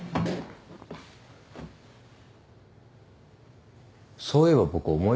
そういえば僕思い出しました。